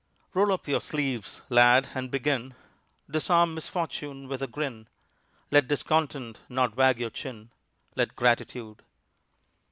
Roll up your sleeves, lad, and begin; Disarm misfortune with a grin; Let discontent not wag your chin Let gratitude.